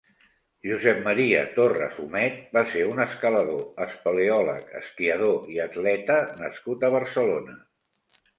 Josep Maria Torras Homet va ser un escalador, espeleòleg, esquiador i atleta nascut a Barcelona.